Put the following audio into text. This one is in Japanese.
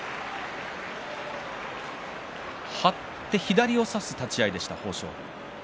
張って左を差す立ち合いでした豊昇龍。